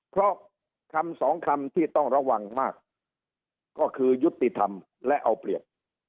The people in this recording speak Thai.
เพราะคำสองคำที่ต้องระวังมากก็คือยุติธรรมและเอาเปรียบ